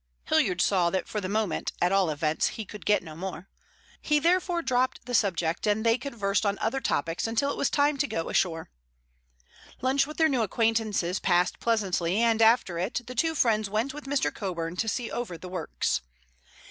Hilliard saw that for the moment at all events he could get no more. He therefore dropped the subject and they conversed on other topics until it was time to go ashore. Lunch with their new acquaintances passed pleasantly, and after it the two friends went with Mr. Coburn to see over the works.